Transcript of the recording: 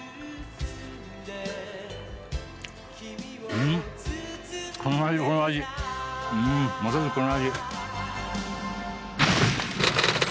うんまさしくこの味。